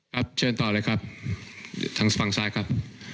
ครับช่วยตอบเลยครับทางฝั่งซ้ายครับ